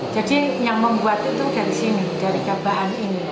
jadi yang membuat itu dari sini dari gabahan ini